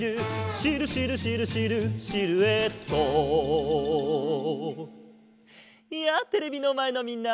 「シルシルシルシルシルエット」やあテレビのまえのみんな！